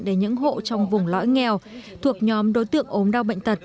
đến những hộ trong vùng lõi nghèo thuộc nhóm đối tượng ốm đau bệnh tật